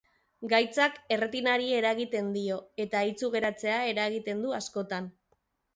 Gaitzak erretinari eragiten dio, eta itsu geratzea eragiten du askotan.